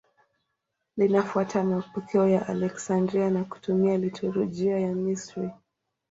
Linafuata mapokeo ya Aleksandria na kutumia liturujia ya Misri.